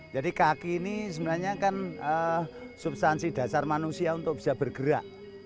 jadi kaki ini sebenarnya kan substansi dasar manusia untuk bisa bergerak